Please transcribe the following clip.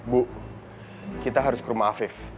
bu kita harus ke rumah afif